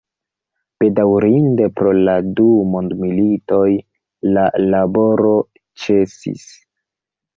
Bedaŭrinde, pro la du mondmilitoj la laboro ĉesis.